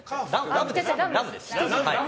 ラムです。